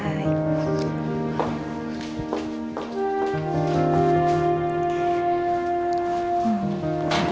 aduh ini anak pinter